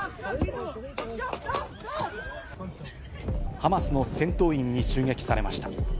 ハマスの戦闘員に襲撃されました。